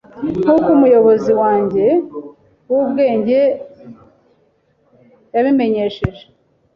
Nkuko umuyobozi wanjye wubwenge yabimenyesheje